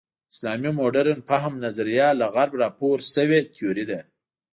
اسلامي مډرن فهم نظریه له غرب راپور شوې تیوري ده.